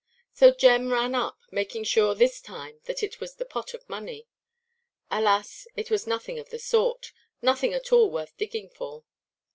So Jem ran up, making sure this time that it was the pot of money. Alas, it was nothing of the sort, nothing at all worth digging for.